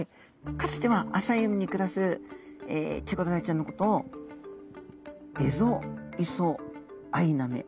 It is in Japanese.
かつては浅い海に暮らすチゴダラちゃんのことをエゾイソアイナメ。